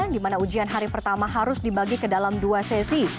di mana ujian hari pertama harus dibagi ke dalam dua sesi